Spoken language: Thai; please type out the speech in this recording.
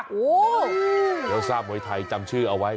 เกี๊ยวซ่ามวยไทยจำชื่อเอาไว้